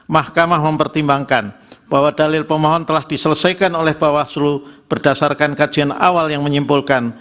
mahkamah mempertimbangkan bahwa dalil pemohon telah diselesaikan oleh bawaslu berdasarkan kajian awal yang menyimpulkan